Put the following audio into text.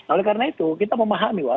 oleh karena itu kita memahami